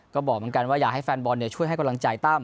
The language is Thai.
ก็บอกว่าอยากให้แฟนบอลเนี่ยช่วยให้กำลังใจตั้ม